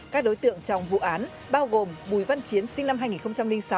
các đối tượng trong vụ án bao gồm bùi văn chiến sinh năm hai nghìn sáu